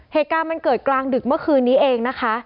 เหตุการณ์มันเกิดกลางดึกเมื่อคืนนี้เองนะคะ